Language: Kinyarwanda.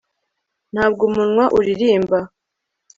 Ntabwo umunwa uririmba